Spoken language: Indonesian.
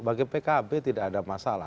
bagi pkb tidak ada masalah